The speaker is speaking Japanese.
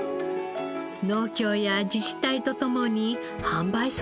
農協や自治体と共に販売促進を行い